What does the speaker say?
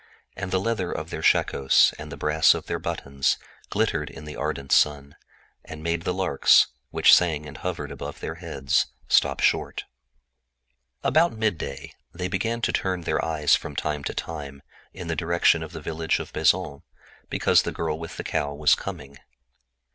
And the leather of their helmets and the brass of their buttons glittered in the ardent sun, making the larks, which sang and hovered above their heads, cease in mid song. Toward noon they began to turn their eyes from time to time in the direction of the village of Bezons, because the girl with the cow was coming.